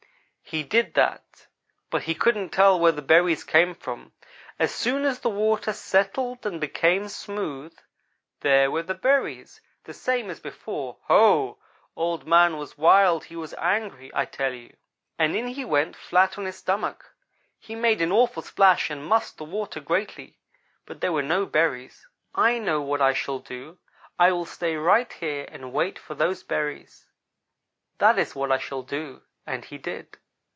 "He did that; but he couldn't tell where the berries came from. As soon as the water settled and became smooth there were the berries the same as before. Ho! Old man was wild; he was angry, I tell you. And in he went flat on his stomach! He made an awful splash and mussed the water greatly; but there were no berries. "'I know what I shall do. I will stay right here and wait for those berries; that is what I shall do'; and he did.